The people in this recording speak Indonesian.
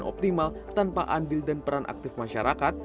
optimal tanpa andil dan peran aktif masyarakat